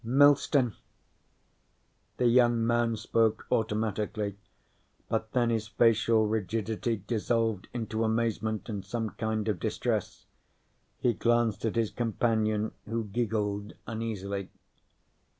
"Millstone." The young man spoke automatically, but then his facial rigidity dissolved into amazement and some kind of distress. He glanced at his companion, who giggled uneasily.